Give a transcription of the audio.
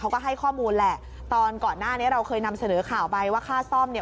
เขาก็ให้ข้อมูลแหละตอนก่อนหน้านี้เราเคยนำเสนอข่าวไปว่าค่าซ่อมเนี่ย